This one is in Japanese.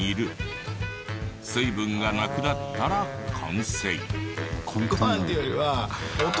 水分がなくなったら完成。